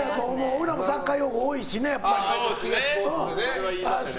俺らもサッカー用語多いしね。